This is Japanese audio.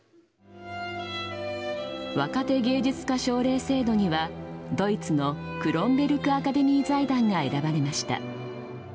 若手芸術家奨励制度にはドイツのクロンベルク・アカデミー財団が選ばれました。